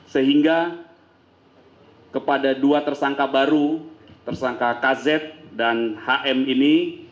sehingga kepada dua tersangka baru tersangka kz dan hm ini